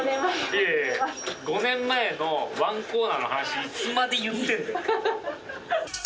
いやいや５年前のワンコーナーの話いつまで言ってんのよ。